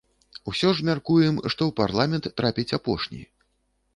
Усё ж мяркуем, што ў парламент трапіць апошні.